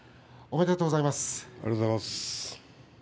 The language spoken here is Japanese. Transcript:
おめでとうございます。